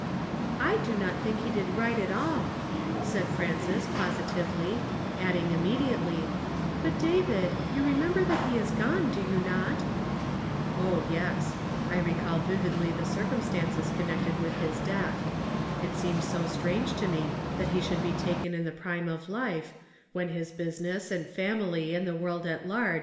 ''I do not think he did right at all," said Frances positively, adding immediately, " But, David, you remember that he is gone, do you not ?" "Oil yes; I recall vividly the circumstances connected with his death. It seemed so strange to mu that he should be taken in the prime of life, '^HEJ THAT SOWETH INIQUITY M 103 when his business, and fiiniily, and the world at 3i i .